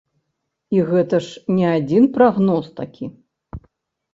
І гэта ж не адзін прагноз такі!